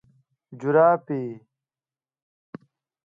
🧦جورابي